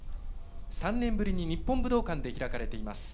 ３年ぶりに日本武道館で開かれています。